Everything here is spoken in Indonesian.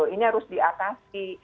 ini harus diatasi